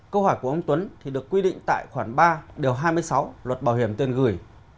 câu hỏi của ông tuấn thì được quy định tại khoản ba điều hai mươi sáu luật bảo hiểm tiền gửi